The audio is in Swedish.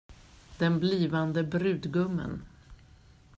Den blivande brudgummen.